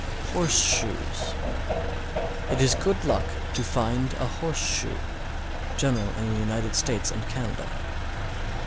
_ HORSESHOES. 631. It is good luck to find a horseshoe. _General in the United States and Canada.